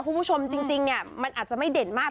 คุณผู้ชมจริงเนี่ยมันอาจจะไม่เด่นมาก